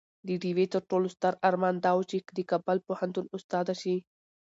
د ډيوې تر ټولو ستر ارمان دا وو چې د کابل پوهنتون استاده شي